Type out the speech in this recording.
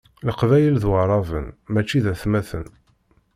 Leqbayel d waɛraben mačči d atmaten.